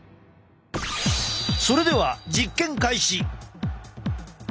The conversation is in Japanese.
それでは実験開始！